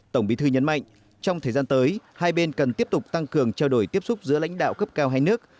tổng bí thư nhấn mạnh trong thời gian tới hai bên cần tiếp tục tăng cường trao đổi tiếp xúc giữa lãnh đạo cấp cao hai nước